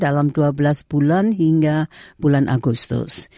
dalam dua belas bulan hingga bulan agustus